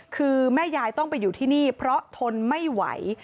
คือแม่ยายต้องไปอยู่ที่นี่เพราะทนไม่ไหว